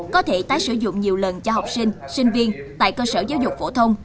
có thể tái sử dụng nhiều lần cho học sinh sinh viên tại cơ sở giáo dục phổ thông